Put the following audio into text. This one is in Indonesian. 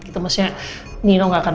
maksudnya nino nggak keberadaan